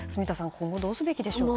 今後どうすべきでしょうか。